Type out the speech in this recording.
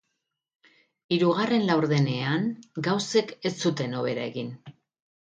Hirugarren laurdenean gauzek ez zuten hobera egin.